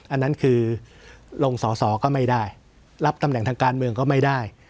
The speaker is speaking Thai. อันนั้นคือลงสอสอก็ไม่ได้รับตำแหน่งทางการเมืองก็ไม่ได้